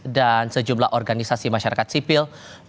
dan sejumlah organisasi masyarakat sipil